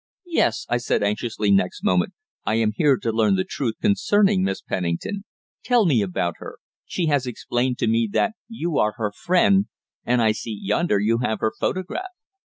"Yes," I said anxiously next moment, "I am here to learn the truth concerning Miss Pennington. Tell me about her. She has explained to me that you are her friend and I see, yonder, you have her photograph."